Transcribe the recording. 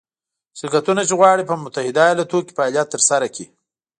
شرکتونه چې غواړي په متحده ایالتونو کې فعالیت ترسره کړي.